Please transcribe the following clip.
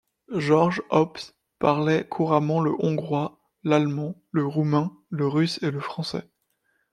Georges Haupt parlait couramment le hongrois, l'allemand, le roumain, le russe et le français.